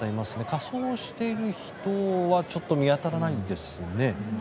仮装している人はちょっと見当たらないですね。